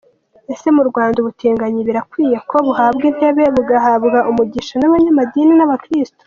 Ese mu Rwanda ubutinganyi birakwiye ko buhabwa intebe, bugahabwa umugisha n'abanyamadini n'abakristo?.